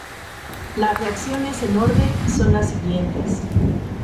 Las reacciones, en orden, son las siguientes.